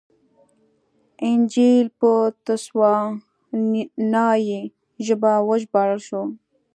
انجییل په تسوانایي ژبه وژباړل شو.